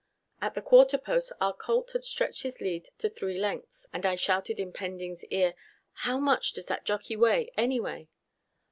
At the quarter post our colt had stretched his lead to three lengths, and I shouted in Pending's ear, "How much does that jockey weigh, anyway?"